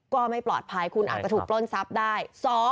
ก็ไม่ปลอดภัยคุณอาจจะถูกปล้นทรัพย์ได้